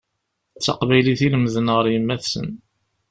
D taqbaylit i lemden ar yemma-tsen.